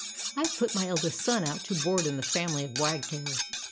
I have put my eldest son out to board in the family of wagtails.